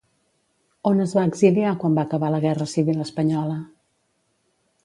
On es va exiliar quan va acabar la guerra civil espanyola?